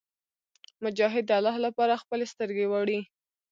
مجاهد د الله لپاره خپلې سترګې وړي.